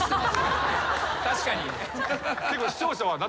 確かに。